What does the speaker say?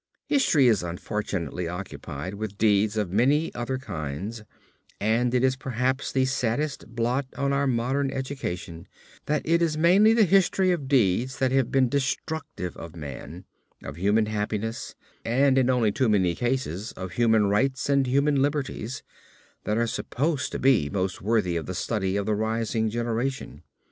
History is unfortunately occupied with deeds of many other kinds, and it is perhaps the saddest blot on our modern education, that it is mainly the history of deeds that have been destructive of man, of human happiness and in only too many cases of human rights and human liberties, that are supposed to be most worthy of the study of the rising generation.